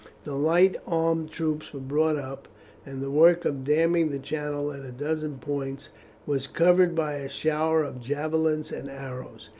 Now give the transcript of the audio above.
The light armed troops were brought up, and the work of damming the channel at a dozen points, was covered by a shower of javelins and arrows.